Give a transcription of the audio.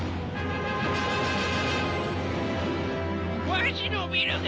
わしのビルが！